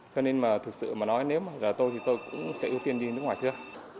cho nên mà thực sự mà nói nếu mà tôi thì tôi cũng sẽ ưu tiên đi nước ngoài chưa